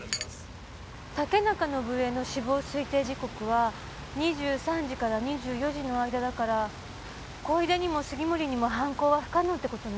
竹中伸枝の死亡推定時刻は２３時から２４時の間だから小出にも杉森にも犯行は不可能って事ね。